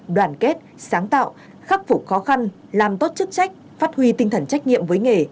đoàn kết sáng tạo khắc phục khó khăn làm tốt chức trách phát huy tinh thần trách nhiệm với nghề